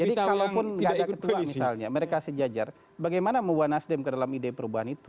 jadi kalau pun gak ada ketua misalnya mereka sejajar bagaimana membuat nasdem ke dalam ide perubahan itu